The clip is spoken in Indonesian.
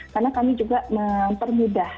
karena kami juga mempermudah